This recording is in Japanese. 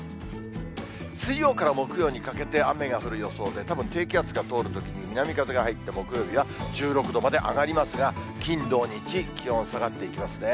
水曜から木曜にかけて雨が降る予想で、たぶん、低気圧が通るときに、南風が入って、木曜日は１６度まで上がりますが、金、土、日、気温下がっていきますね。